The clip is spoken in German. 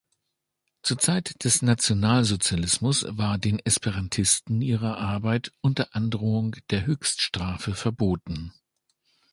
Zur Zeit des Nationalsozialismus war den Esperantisten ihre Arbeit unter Androhung der Höchststrafe verboten.